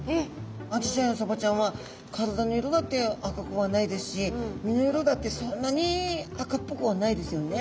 アジちゃんやサバちゃんは体の色だって赤くはないですし身の色だってそんなに赤っぽくはないですよね。